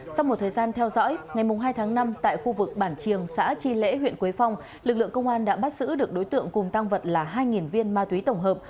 sau một thời gian theo dõi ngày hai tháng năm tại khu vực bản triềng xã chi lễ huyện quế phong lực lượng công an đã bắt giữ được đối tượng cùng tăng vật là hai viên ma túy tổng hợp